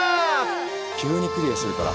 急にクリアするから。